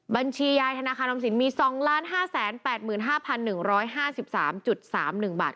บัญชียายธนาคารออมสินมี๒๕๘๕๑๕๓๓๑บาท